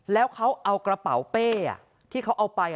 แล้วเขาเอากระเป๋าเป้ที่เขาเอาไป